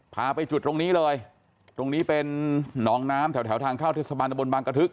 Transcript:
พาไปจุดตรงนี้เลยตรงนี้เป็นหนองน้ำแถวแถวทางเข้าเทศบาลตะบนบางกระทึก